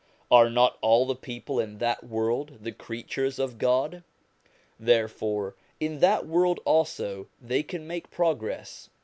Are not all the people in that world the creatures of God ? Therefore in that world also they can make progress.